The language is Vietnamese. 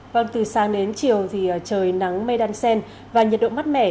vâng từ sáng đến chiều thì trời nắng mê đan sen và nhiệt độ mắt mẻ